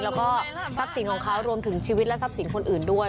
แล้วก็ทรัพย์สินของเขารวมถึงชีวิตและทรัพย์สินคนอื่นด้วย